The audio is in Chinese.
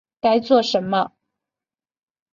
该做什么